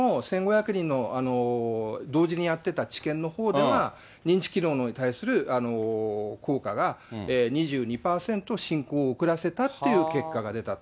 もう一つの１５００人の同時にやってた治験のほうでは、認知機能に対する２２％進行を遅らせたという結果が出たと。